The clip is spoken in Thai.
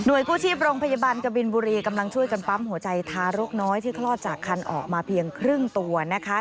กู้ชีพโรงพยาบาลกบินบุรีกำลังช่วยกันปั๊มหัวใจทารกน้อยที่คลอดจากคันออกมาเพียงครึ่งตัวนะคะ